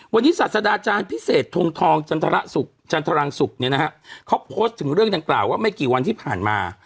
วันนี้ศาสดาอาจารย์พิเศษทงทองจันทรสุขจันทรังศุกร์เนี่ยนะฮะเขาโพสต์ถึงเรื่องดังกล่าวว่าไม่กี่วันที่ผ่านมา